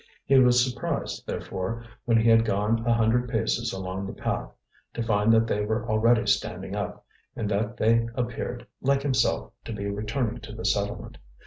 He was surprised, therefore, when he had gone a hundred paces along the path, to find that they were already standing up, and that they appeared, like himself, to be returning to the settlement.